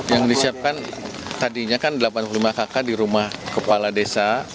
yang disiapkan tadinya kan delapan puluh lima kakak di rumah kepala desa